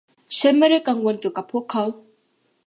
ฉันไม่ได้กังวลเกี่ยวกับพวกเขา